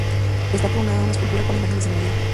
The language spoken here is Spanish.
Está coronada una escultura con la imagen de San Miguel.